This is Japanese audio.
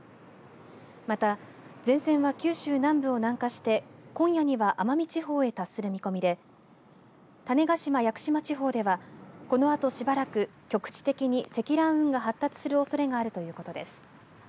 また、前線は九州南部を南下して今夜には奄美地方へ達する見込みで種子島、屋久島地方ではこのあとしばらく局地的に積乱雲が発達するおそれがあるということです。